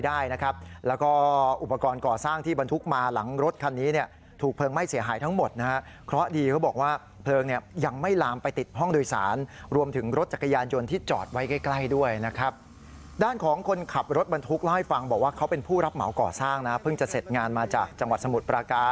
ได้นะครับแล้วก็อุปกรณ์ก่อสร้างที่บรรทุกมาหลังรถคันนี้